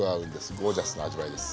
ゴージャスな味わいです。